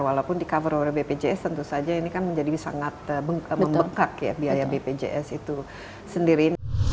walaupun di cover oleh bpjs tentu saja ini kan menjadi sangat membengkak ya biaya bpjs itu sendiri